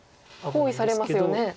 包囲されますよね。